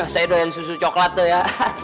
saya doin susu coklat tuh ya